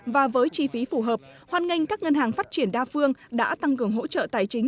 và với chi phí phù hợp hoàn ngành các ngân hàng phát triển đa phương đã tăng cường hỗ trợ tài chính